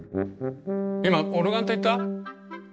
今オルガンって言った？